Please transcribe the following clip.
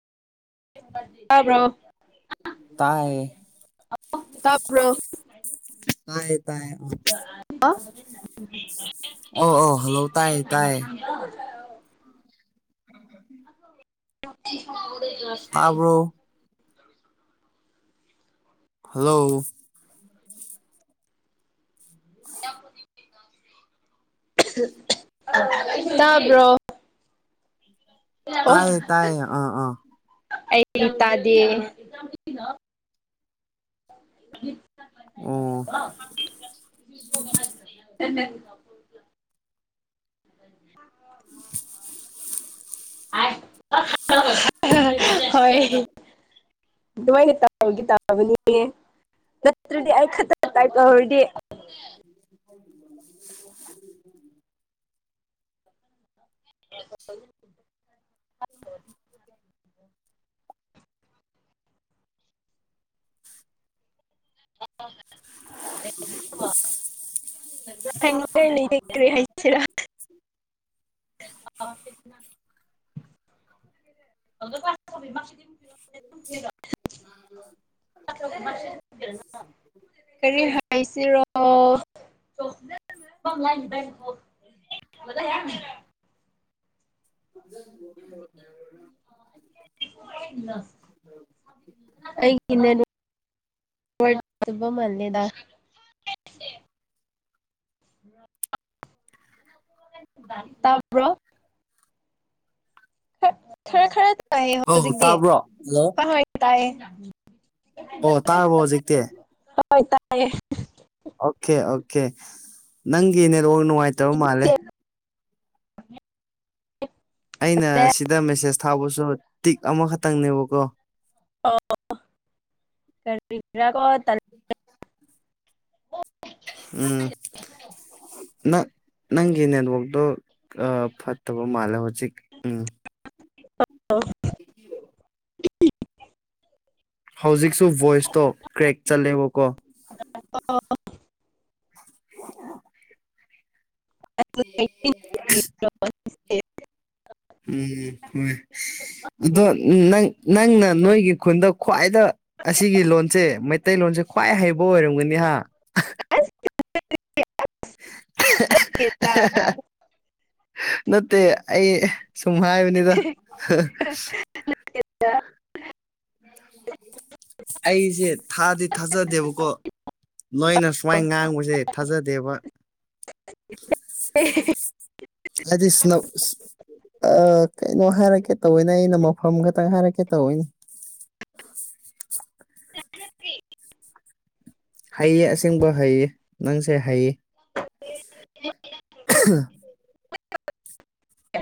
ꯇꯥꯕ꯭ꯔꯣ ꯇꯥꯌꯦ ꯇꯕ꯭ꯔꯣ ꯇꯥꯏꯌꯦ ꯇꯥꯏꯌꯦ [unintelligible] ꯑꯣ ꯑꯣ ꯍꯜꯂꯣ ꯇꯥꯏ ꯇꯥꯏꯌꯦ [unintelligible] [unintelligible] [unintelligible] ꯇꯥꯔꯕꯣ ꯍꯜꯂꯣ [unintelligible] ꯇꯕ꯭ꯔꯣ ꯇꯥꯏꯌꯦ ꯇꯥꯏꯌꯦ ꯑꯥ ꯑꯥ ꯑꯩ ꯇꯥꯗꯦ ꯑꯣ [unintelligible] [inaudible] [unintelligible] ꯍꯣꯏ ꯑꯗꯨꯥꯏꯅ ꯇꯕꯒꯤ ꯇꯥꯕꯅꯤ ꯅꯠꯇ꯭ꯔꯗꯤ ꯑꯩ ꯈꯛꯇ ꯇꯥꯏ ꯇꯧꯔꯗꯤ [unintelligible] [inaudible] ꯎ [inaudible] ꯍ ꯂꯩꯦ ꯍꯥꯏꯁꯤꯔ ꯑ ꯁꯤ [inaudible] ꯀꯔꯤ ꯍꯥꯏꯁꯤꯔꯣ ꯑꯣꯥꯏꯦꯡꯖ ꯌꯥ [inaudible] ꯂ ꯑꯩ ꯃꯂꯦꯗ [inaudible] ꯇꯥꯕ꯭ꯔꯣ ꯈꯔ ꯈꯔ ꯇꯥꯏꯌꯦ ꯑꯧ ꯍꯧꯖꯤꯛꯇꯤ ꯇꯥꯕ꯭ꯔꯣ ꯍꯜꯂꯣ ꯇꯥꯔꯦ ꯇꯥꯏꯌꯦ ꯑꯣ ꯇꯥꯔꯕꯣ ꯍꯧꯖꯤꯛꯇꯤ ꯍꯣꯏ ꯇꯥꯏꯌꯦ ꯑꯣꯀꯦ ꯑꯣꯀꯦ ꯅꯪꯒꯤ ꯅꯦꯠꯋꯥꯛ ꯅꯨꯡꯉꯥꯏꯇꯕ ꯃꯥꯜꯂꯦ ꯑꯩꯅ ꯁꯤꯗ ꯃꯦꯁꯦꯁ ꯊꯥꯕꯁꯨ ꯇꯤꯛ ꯑꯃꯈꯛꯇꯪꯅꯦꯕꯀꯣ [unintelligible] ꯎꯝ ꯅꯪ ꯅꯪꯒꯤ ꯅꯦꯠꯋꯥꯛꯇꯣ ꯑꯥ ꯐꯠ ꯇꯕ ꯃꯥꯂ ꯍꯧꯖꯤꯛ ꯎꯝ [unintelligible] [inaudible] ꯍꯧꯖꯤꯛꯁꯨ ꯚꯣꯏꯁꯇꯣ ꯀ꯭ꯔꯦꯛ ꯆꯠꯂꯦꯕꯀꯣ [inaudible] [inaudible] ꯎ ꯑꯦ ꯎꯝ ꯍꯣꯏ ꯑꯗꯣ ꯅꯪ ꯅꯪꯅ ꯅꯣꯏꯒꯤ ꯈꯨꯟꯗ ꯈ꯭ꯋꯥꯏꯗ ꯑꯁꯤꯒꯤ ꯂꯣꯟꯜꯁꯦ ꯃꯩꯇꯩꯂꯣꯟꯁꯦ ꯈ꯭ꯋꯥꯏ ꯍꯩꯕ ꯑꯣꯏꯔꯝꯒꯅꯤꯍ [inaudible] ꯅꯠꯇꯦ ꯑꯩ ꯁꯨꯝ ꯍꯥꯏꯕꯅꯤꯗ [inaudible] ꯑꯩꯁꯦ ꯊꯥꯗꯤ ꯊꯥꯖꯗꯦꯕꯀꯣ ꯅꯣꯏꯅ ꯃ꯭ꯋꯥꯏ ꯉꯥꯡꯕꯁꯦ ꯊꯥꯖꯗꯦꯕ [inaudible] ꯍꯥꯏꯗꯤ ꯏꯁꯅ ꯑ ꯀꯩꯅꯣ ꯍꯥꯏꯔꯛꯀꯦ ꯇꯧꯤꯅꯦ ꯑꯩꯅ ꯃꯐꯝ ꯈꯛꯇꯪ ꯍꯥꯏꯔꯛꯀꯦ ꯇꯧꯤꯅꯦ [inaudible] ꯍꯩꯌꯦ ꯑꯁꯦꯡꯕ ꯍꯩꯌꯦ ꯅꯪꯁꯦ ꯍꯩꯌꯦ [inaudible]